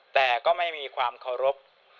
แต่ก็ไม่มีความเคารพ